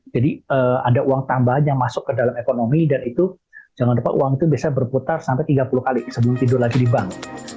jadi ada uang tambahan yang masuk ke dalam ekonomi dan itu jangan lupa uang itu bisa berputar sampai tiga puluh kali sebelum tidur lagi di bank